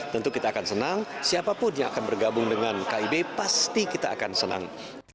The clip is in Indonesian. tentu kita akan senang siapapun yang akan bergabung dengan kib pasti kita akan senang